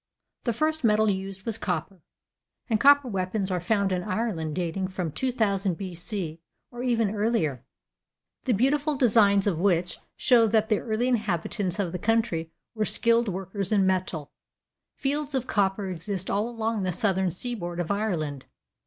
The first metal used was copper, and copper weapons are found in Ireland dating from 2,000 B.C., or even earlier, the beautiful designs of which show that the early inhabitants of the country were skilled workers in metal. Fields of copper exist all along the southern seaboard of Ireland.